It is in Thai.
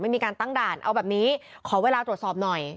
มีการตั้งด่านเอาแบบนี้ขอเวลาตรวจสอบหน่อย